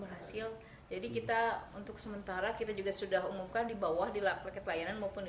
berhasil jadi kita untuk sementara kita juga sudah umumkan di bawah di paket layanan maupun